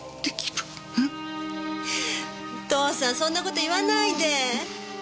お父さんそんな事言わないで。